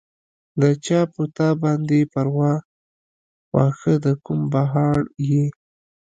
د چا پۀ تا باندې پرواه، واښۀ د کوم پهاړ ئې